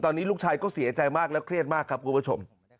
ตอนนี้ลูกชายก็เสียใจมากแล้วเครียดมากครับคุณผู้ชม